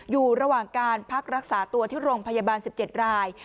อยู่ระหว่างการพักรักษาตัวที่โรงพยาบาล๑๗ราย